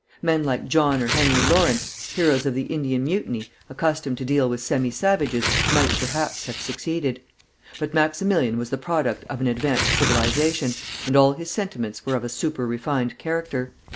Men like John or Henry Lawrence, heroes of the Indian Mutiny, accustomed to deal with semi savages, might perhaps have succeeded; but Maximilian was the product of an advanced civilization, and all his sentiments were of a super refined character.